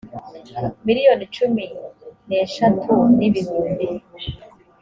miliyoni cumi n eshatu n ibihumbi